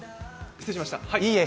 失礼しました。